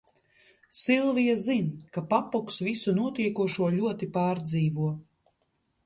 Silvija zin, ka papuks visu notiekošo ļoti pārdzīvo.